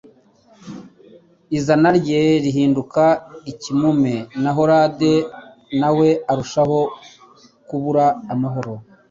Izina rye rihinduka ikimume na Herode na we arushaho kubura amahoro